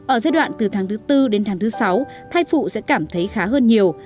ở giai đoạn từ tháng thứ tư đến tháng thứ sáu thai phụ sẽ cảm thấy khá hơn nhiều